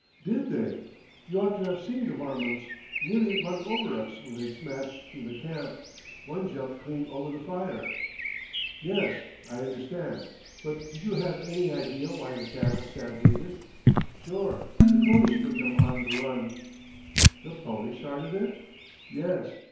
"Did they? You ought to have seen the varmints. Nearly run over us when they smashed through the camp. One jumped clean over the fire." "Yes, I understand; but did you have any idea why the cattle stampeded?" "Sure. The ponies put them on the run." "The ponies started it?" "Yes.